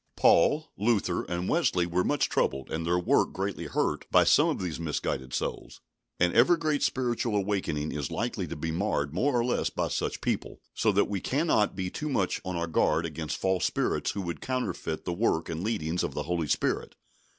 Paul, Luther, and Wesley were much troubled, and their work greatly hurt, by some of these misguided souls, and every great spiritual awakening is likely to be marred more or less by such people; so that we cannot be too much on our guard against false spirits who would counterfeit the work and leadings of the Holy Spirit.